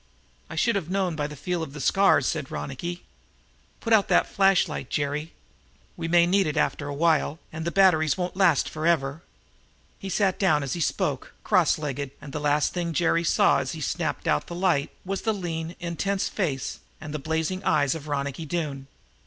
"I should have known by the feel of the scars," said Ronicky. "Put out that flash light, Jerry. We may need that after a while, and the batteries won't last forever." He sat down, as he spoke, cross legged, and the last thing Jerry saw, as he snapped out the light, was the lean, intense face and the blazing eyes of Ronicky Doone.